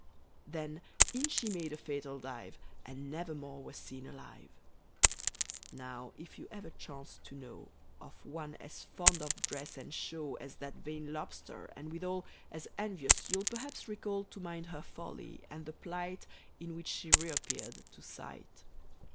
Then, in she made a fatal dive, And never more was seen alive! Now, if you ever chance to know, Of one as fond of dress and show As that vain Lobster, and withal As envious you'll perhaps recall To mind her folly, and the plight In which she reappeared to sight.